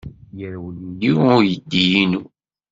Yerwel-iyi uydi-inu.